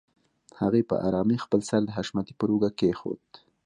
هغې په آرامۍ خپل سر د حشمتي پر اوږه کېښوده.